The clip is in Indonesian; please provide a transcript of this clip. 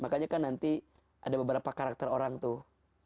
makanya kan nanti ada beberapa karakter orang tuh